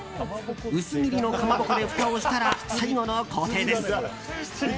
薄切りのかまぼこでふたをしたら最後の工程です。